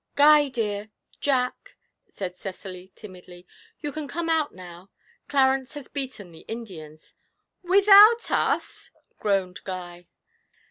'Guy, dear Jack,' said Cecily, timidly, 'you can come out now. Clarence has beaten the Indians.' 'Without us?' groaned Guy.